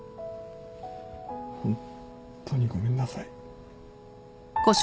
ホントにごめんなさい。